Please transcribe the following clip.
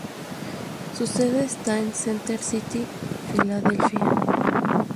Su sede está en Center City, Filadelfia.